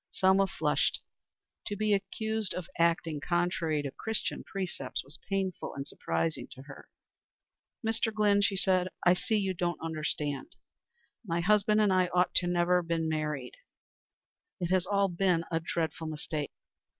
Selma flushed. To be accused of acting contrary to Christian precepts was painful and surprising to her. "Mr. Glynn," she said, "I see you don't understand. My husband and I ought never to have married. It has all been a dreadful mistake.